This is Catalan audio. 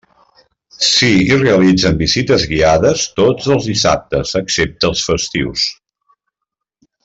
S'hi realitzen visites guiades tots els dissabtes excepte els festius.